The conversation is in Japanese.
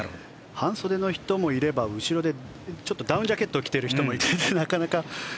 半袖の人もいれば後ろでダウンジャケットを着ている人もいてなかなか。